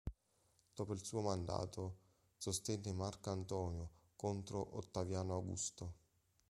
Dopo il suo mandato, sostenne Marco Antonio contro Ottaviano Augusto.